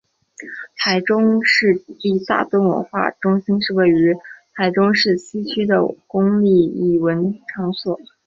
台中市立大墩文化中心是位于台中市西区的公立艺文场所。